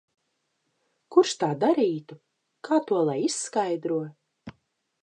Kurš tā darītu? Kā to lai izskaidro?